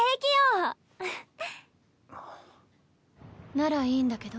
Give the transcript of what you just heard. ならいいんだけど。